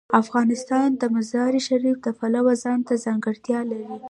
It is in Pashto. افغانستان د مزارشریف د پلوه ځانته ځانګړتیا لري.